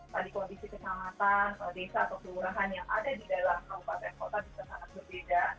tadi kondisi kecamatan desa atau kelurahan yang ada di dalam kabupaten kota juga sangat berbeda